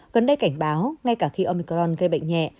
gần đây cảnh báo ngay cả khi omicron gây bệnh nhẹ